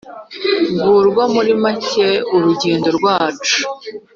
ngurwo muri make urugendo rwacu.